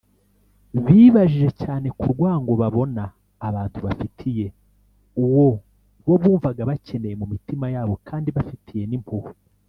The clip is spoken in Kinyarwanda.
bibajije cyane ku rwango babona abantu bafitiye uwo bo bumvaga bakeneye mu mitima yabo kandi bafitiye n’impuhwe